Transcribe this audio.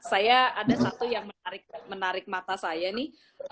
saya ada satu yang menarik mata saya nih